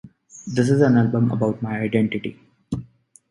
This is an album about my identity.